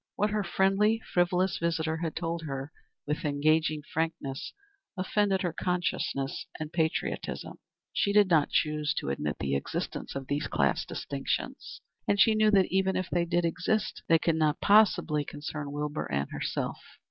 What her friendly, frivolous visitor had told her with engaging frankness offended her conscience and patriotism. She did not choose to admit the existence of these class distinctions, and she knew that even if they did exist, they could not possibly concern Wilbur and herself.